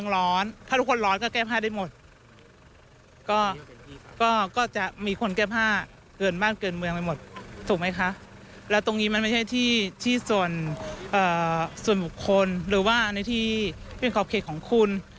แล้วตรงนี้มันไม่ใช่ที่ส่วนบุคคลหรือว่าในที่เป็นขอบเขตของคุณ